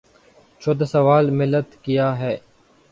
چوتھا سوال: ملت کیاہے؟